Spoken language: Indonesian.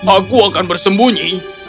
aku akan bersembunyi